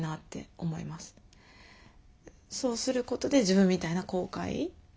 そうすることで自分みたいな後悔。